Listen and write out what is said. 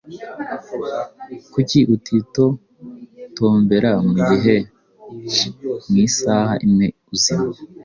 Kuki utitotombera mugihe mu isaha imwe uzimye